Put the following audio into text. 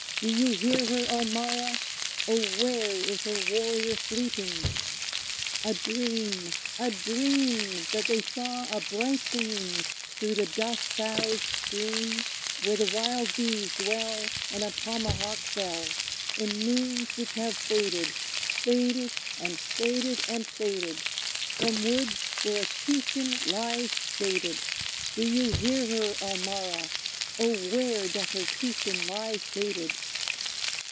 Do you hear her, Ulmarra? Oh! where is her warrior sleeping? A dream! a dream! That they saw a bright gleam Through the dusk boughs stream, Where wild bees dwell, And a tomahawk fell, In moons which have faded; Faded, and faded, and faded, From woods where a chieftain lies shaded! Do you hear her, Ulmarra? Oh! where doth her chieftain lie shaded?